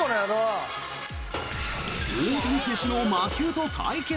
大谷選手の魔球と対決！